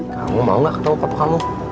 kamu mau gak ketemu papa kamu